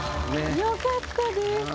よかったです。